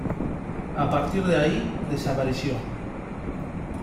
A partir de ahí desapareció.